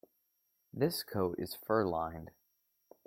This coat is fur-lined.